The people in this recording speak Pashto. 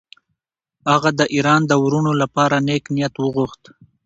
هغه د ایران د وروڼو لپاره نېک نیت وغوښت.